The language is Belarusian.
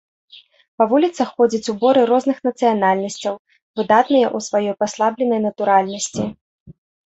Па вуліцах ходзяць уборы розных нацыянальнасцяў, выдатныя ў сваёй паслабленай натуральнасці.